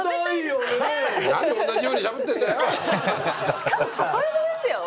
しかも里芋ですよ。